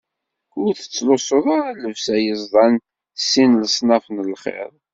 Ur tettlusuḍ ara llebsa yeẓḍan s sin n leṣnaf n lxiḍ.